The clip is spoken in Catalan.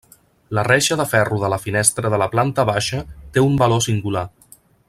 La reixa de ferro de la finestra de la planta baixa té un valor singular.